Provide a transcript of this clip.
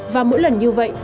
và mỗi lần như vậy